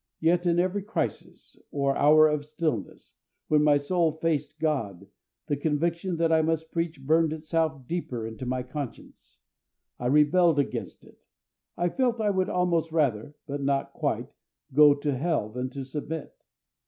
Yet in every crisis, or hour of stillness, when my soul faced God, the conviction that I must preach burned itself deeper into my conscience. I rebelled against it. I felt I would almost rather (but not quite) go to Hell than to submit.